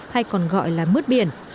hay còn gọi là mứt biển